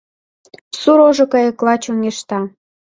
Сур ожо кайыкла чоҥешта.